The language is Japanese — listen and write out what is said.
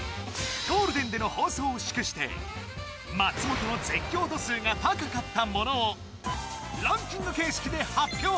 ゴールデンでの放送を祝して松本の絶叫度数が高かったものをランキング形式で発表